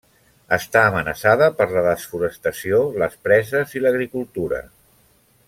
Està amenaçada per la desforestació, les preses i l'agricultura.